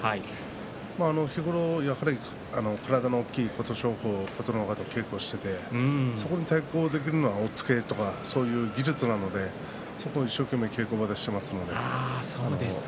日頃、体の大きい琴勝峰琴ノ若と稽古をしていてそこに対抗できるのは押っつけとかそういう技術なのでそこを一生懸命稽古場でしていますので。